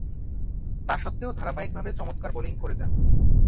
তাসত্ত্বেও ধারাবাহিকভাবে চমৎকার বোলিং করে যান।